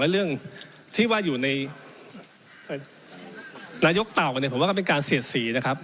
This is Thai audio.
เรื่องที่ว่าอยู่ในนายกเต่ากันเนี่ยผมว่าก็เป็นการเสียดสีนะครับ